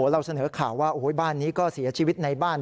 เราเสนอข่าวว่าบ้านนี้ก็เสียชีวิตในบ้าน